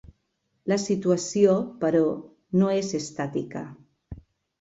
La situació, però, no és estàtica.